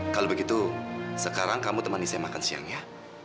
kalau begitu sekarang kamu temani saya makan siang ya